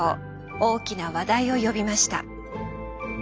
大きな話題を呼びました。